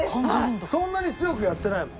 そんなに強くやってないもん。